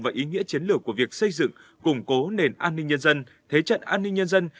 và ý nghĩa chiến lược của việc xây dựng củng cố nền an ninh nhân dân thế trận an ninh nhân dân